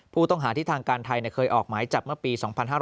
ผู้ต้องหาที่ทางการไทยเคยออกหมายจับเมื่อปี๒๕๕๙